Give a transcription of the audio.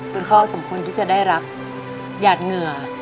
คุณพ่อสมควรที่จะได้รับหยาดเหงื่อ